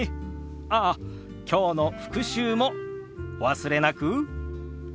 ああきょうの復習もお忘れなく。